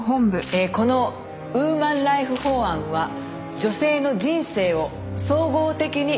このウーマンライフ法案は女性の人生を総合的に支援するものでございます。